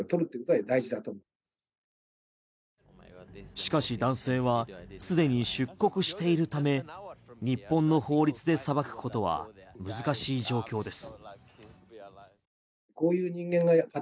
しかし男性は既に出国しているため日本の法律で裁くことは難しい状況です。